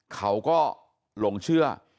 เขาก็หลงเชื่อ